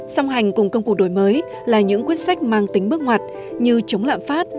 song hành cùng công cuộc đổi mới là những quyết sách mang tính bước ngoặt như chống lạm phát